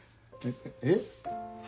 えっ？